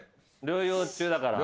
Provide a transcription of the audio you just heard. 療養中だから。